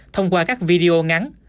thông qua các video ngắn